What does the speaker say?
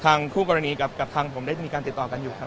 คู่กรณีกับทางผมได้มีการติดต่อกันอยู่ครับ